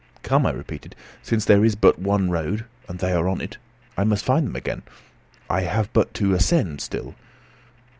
"Come," I repeated, "since there is but one road, and they are on it, I must find them again. I have but to ascend still.